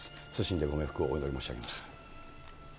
謹んで、ご冥福をお祈り申し上げます。